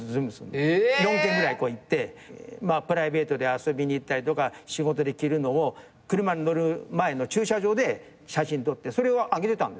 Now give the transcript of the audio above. ４軒ぐらい行ってプライベートで遊びにいったりとか仕事で着るのを車に乗る前の駐車場で写真撮ってそれを上げてたんですね。